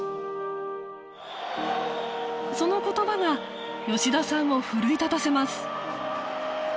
その言葉が吉田さんを奮い立たせます